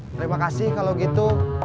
terima kasih kalau gitu